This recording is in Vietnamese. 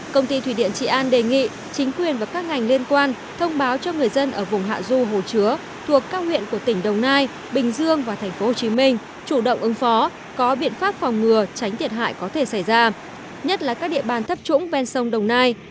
công ty thủy điện trị an đề nghị chính quyền và các ngành liên quan thông báo cho người dân ở vùng hạ du hồ chứa thuộc các huyện của tỉnh đồng nai bình dương và tp hcm chủ động ứng phó có biện pháp phòng ngừa tránh thiệt hại có thể xảy ra nhất là các địa bàn thấp trũng ven sông đồng nai